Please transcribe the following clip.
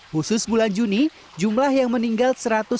khusus bulan juni jumlah yang meninggal satu ratus enam puluh